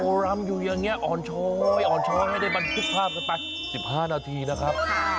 โอ้รำอยู่อย่างเนี้ยอ่อนช้อยอ่อนช้อยให้มันขึ้นภาพไปสิบห้านาทีนะครับ